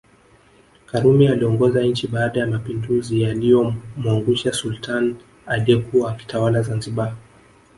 Karume aliongoza nchi baada ya mapinduzi yaliyomwangusha Sultani aliyekuwa akitawala Zanzibar